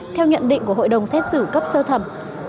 theo nhận định của hội đồng xét xử cấp sơ thẩm